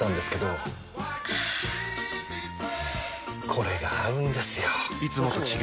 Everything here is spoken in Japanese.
これが合うんですよ！